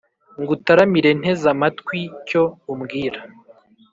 Ngutaramire nteze amatwiicyo umbwira